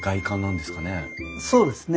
そうですね。